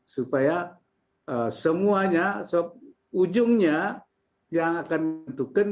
supaya semuanya ujungnya yang akan menentukan